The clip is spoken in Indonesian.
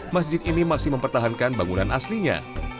masjid ini masih mempertahankan bangunan aslinya